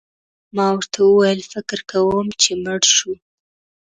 ما ورته وویل: فکر کوم چي مړ شو.